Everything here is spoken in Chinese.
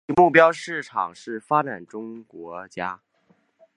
其目标市场是发展中国家。